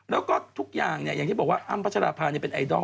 แล้วก็ทุกอย่างเนี่ยอย่างที่บอกว่าอ้ำพระชรภาเนี่ยเป็นไอดอล